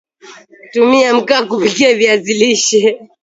tumia Mkaa kupikia viazi lishe